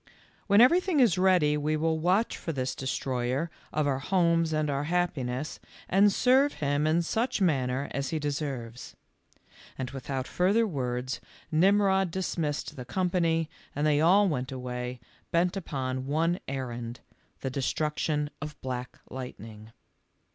cr TThen everything is read}' we will watch for this destroyer of our homes and our happi ness, and serve him in such manner as he de serves." And without further words Ximrod dismissed the company and they all went away, bent upon one errand — the destruction of Black Lightning.